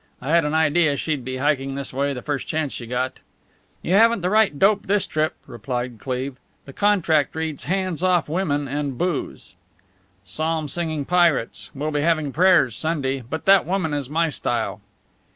I had an idea she'd be hiking this way the first chance she got." "You haven't the right dope this trip," replied Cleve. "The contract reads: Hands off women and booze." "Psalm singing pirates! We'll be having prayers Sunday. But that woman is my style."